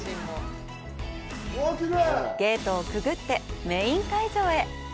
ゲートをくぐってメイン会場へ。